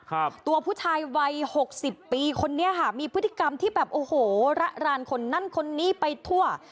ครับตัวผู้ชายวัยหกสิบปีคนนี้ค่ะมีพฤติกรรมที่แบบโอ้โหระรานคนนั้นคนนี้ไปทั่ว